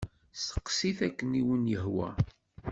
Steqsit akken i wen-yehwa.